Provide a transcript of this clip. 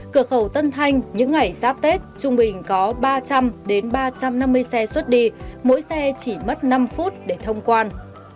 cửa khẩu tân thanh những ngày giáp tết trung bình có ba trăm linh ba trăm năm mươi xe xuất đi mỗi xe chỉ mất năm phút để thông quan